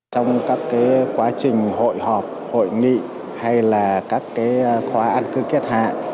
trong các quá trình hội họp hội nghị hay là các khoa ăn cư kết hạ